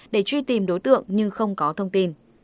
để truy tìm đối tượng nhưng không có thông tin